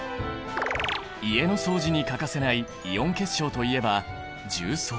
家の掃除に欠かせないイオン結晶といえば重曹。